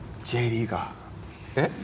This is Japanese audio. Ｊリーガーです。